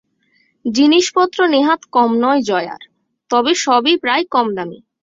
জিনিসপত্র নেহাত কম নয় জয়ার, তবে সবই প্রায় কমদামি।